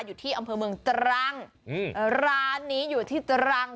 อยู่ที่อำเภอเมืองตรังอืมร้านนี้อยู่ที่ตรัง